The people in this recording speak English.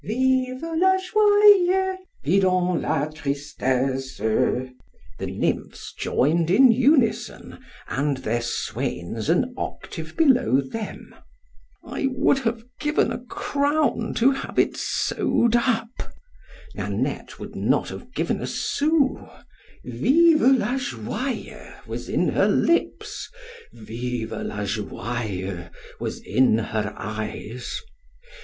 VIVA LA JOIA! FIDON LA TRISTESSA! The nymphs join'd in unison, and their swains an octave below them—— I would have given a crown to have it sew'd up—Nannette would not have given a sous—Viva la joia! was in her lips—Viva la joia! was in her eyes.